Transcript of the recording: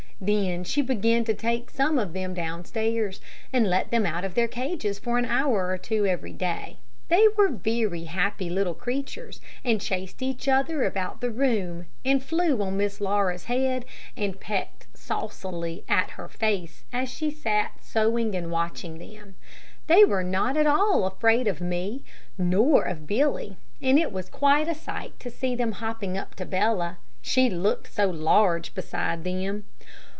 Then she began to take some of them downstairs, and to let them out of their cages for an hour or two every day. They were very happy little creatures, and chased each other about the room, and flew on Miss Laura's head, and pecked saucily at her face as she sat sewing and watching them. They were not at all afraid of me nor of Billy, and it was quite a sight to see them hopping up to Bella, She looked so large beside them.